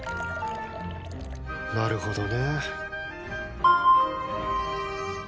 なるほどね。